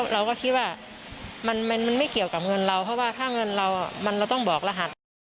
เราก็คิดว่ามันไม่เกี่ยวกับเงินเราเพราะว่าถ้าเงินเราเราต้องบอกรหัส